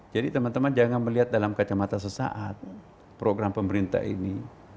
jadi teman teman jangan melihat dalam kacamata sesaat program pemerintah ini